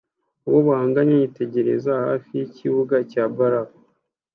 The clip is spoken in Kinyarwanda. uwo bahanganye yitegereza hafi yikibuga cya barafu